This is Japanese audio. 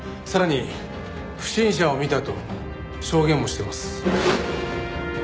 さらに不審者を見たと証言もしています。